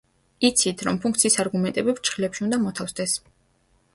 იცით, რომ ფუნქციის არგუმენტები ფრჩხილებში უნდა მოთავსდეს.